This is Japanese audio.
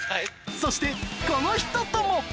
そしてこの人とも！